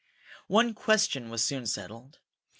One question was soon settled.